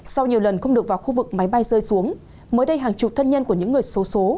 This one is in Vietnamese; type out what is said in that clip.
sau nhiều lần không được vào khu vực máy bay rơi xuống mới đây hàng chục thân nhân của những người số